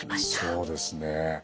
そうですね。